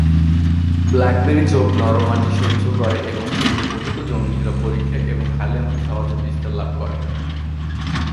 Blackberry ঝোপ নরম মাটি সহ্য করে এবং সেগুলো পতিত জমি, পরিখা এবং খালি অংশে সহজে বিস্তার লাভ করে।